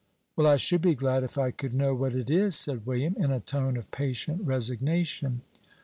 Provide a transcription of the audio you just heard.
"Well, I should be glad if I could know what it is," said William, in a tone of patient resignation.